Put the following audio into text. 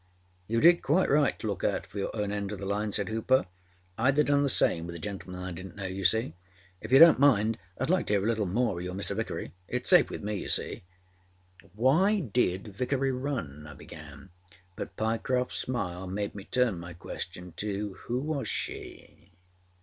â âYou did quite right to look out for your own end oâ the line,â said Hooper. âIâd haâ done the same with a gentleman I didnât know, you see. If you donât mind Iâd like to hear a little more oâ your Mr. Vickery. Itâs safe with me, you see.â âWhy did Vickery run,â I began, but Pyecroftâs smile made me turn my question to âWho was she?